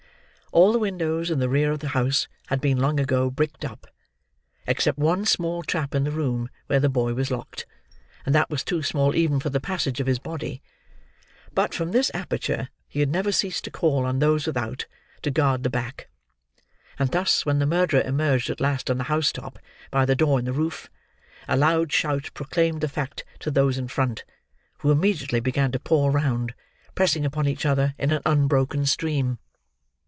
All the windows in the rear of the house had been long ago bricked up, except one small trap in the room where the boy was locked, and that was too small even for the passage of his body. But, from this aperture, he had never ceased to call on those without, to guard the back; and thus, when the murderer emerged at last on the house top by the door in the roof, a loud shout proclaimed the fact to those in front, who immediately began to pour round, pressing upon each other in an unbroken stream.